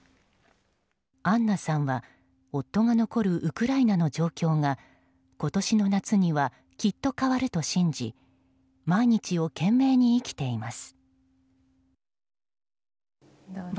アンナさんは夫が残るウクライナの状況が今年の夏にはきっと変わると信じ毎日を懸命に生きています。